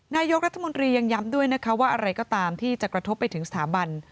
นายกรัฐมนตรียังย้ำด้วยนะคะว่าอะไรก็ตามที่จะกระทบไปถึงสถาบัน